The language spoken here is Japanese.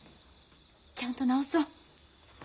ちゃんと治そう。